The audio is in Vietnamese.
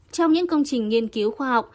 trong những công trình nghiên cứu khoa học